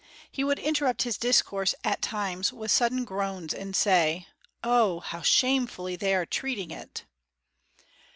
He would interrupt his discourse at times with sudden groans, and say: "Oh, how shamefully they are treating it."